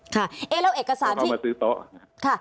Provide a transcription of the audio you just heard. เข้ามาซื้อโต๊ะ